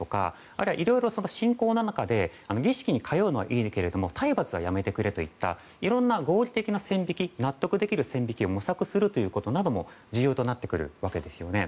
あるいは、いろいろ信仰の中で儀式に通うのはいいけれども体罰はやめてくれといったいろんな合理的な線引き納得できる線引きを模索することなども重要となってきますよね。